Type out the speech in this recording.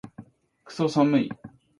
クソ寒い